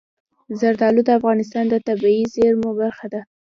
زردالو د افغانستان د طبیعي زیرمو برخه ده.